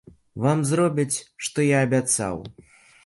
Вам зробяць, што я абяцаў.